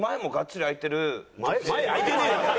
前開いてねえよ。